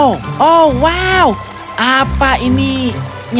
tapi mereka beli panggang itu